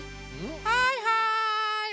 はいはい！